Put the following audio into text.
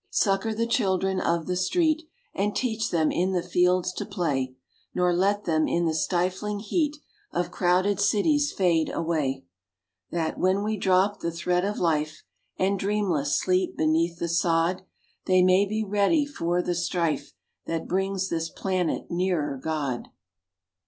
Succor the children of the street, And teach them in the fields to play, Nor let them in the stifling heat Of crowded cities fade away; That, when we drop the thread of life And, dreamless, sleep beneath the sod, They may be ready for the strife That brings this planet nearer God.